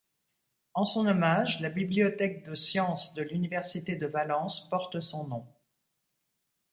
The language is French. En son hommage, la Bibliothèque de Sciences de l'Université de Valence porte son nom.